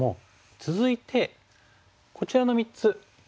続いてこちらの３つ。